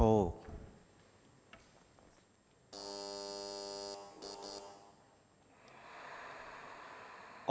ออกรางวัลที่๖